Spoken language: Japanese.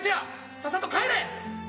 さっさと帰れ！